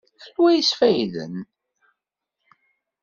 Anwa i yesfayden?